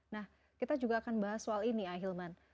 nah kita juga akan bahas soal ini ya hilman